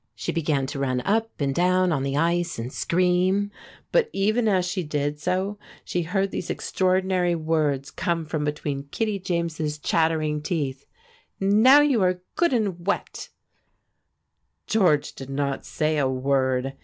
She began to run up and down on the ice and scream; but even as she did so she heard these extraordinary words come from between Kittie James's chattering teeth: "Now you are good and wet!" George did not say a word.